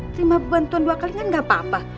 terima bantuan dua kali kan gak apa apa